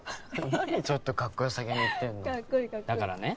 何ちょっとカッコよさげに言ってんのだからね